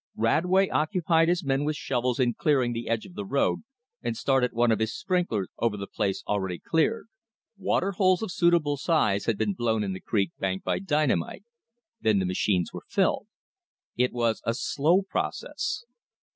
Radway occupied his men with shovels in clearing the edge of the road, and started one of his sprinklers over the place already cleared. Water holes of suitable size had been blown in the creek bank by dynamite. There the machines were filled. It was a slow process.